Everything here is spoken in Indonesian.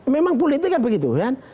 memang politik kan begitu